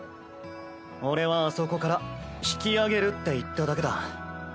俺はあそこから引き揚げるって言っただけだ。